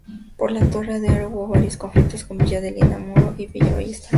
Por la Torre Ader hubo varios conflictos con Villa Adelina, Munro y Villa Ballester.